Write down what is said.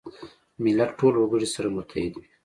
ملت ټول وګړي سره متحد وي.